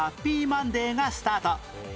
マンデーがスタート